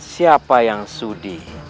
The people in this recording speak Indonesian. siapa yang sudi